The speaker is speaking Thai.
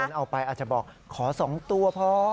เอาไปอาจจะบอกขอ๒ตัวพอ